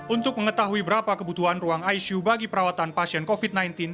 untuk mengetahui berapa kebutuhan ruang icu bagi perawatan pasien covid sembilan belas